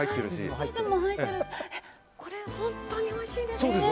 これ、本当においしいですね。